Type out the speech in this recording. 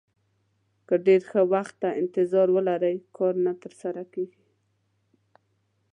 که ډېر ښه وخت ته انتظار ولرئ کار نه ترسره کېږي.